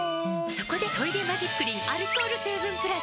そこで「トイレマジックリン」アルコール成分プラス！